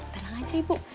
tenang aja ibu